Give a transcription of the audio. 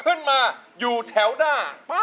ร้องได้ให้ร้าน